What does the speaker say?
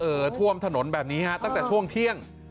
ท่วมถนนแบบนี้ฮะตั้งแต่ช่วงเที่ยง